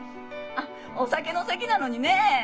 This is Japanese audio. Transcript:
あっお酒の席なのにねえ。